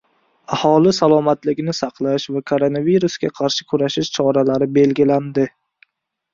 Aholi salomatligini saqlash va koronavirusga qarshi kurashish choralari belgilandi